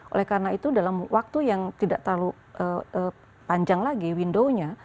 oleh karena itu dalam waktu yang tidak terlalu panjang lagi window nya